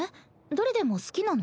どれでも好きなの？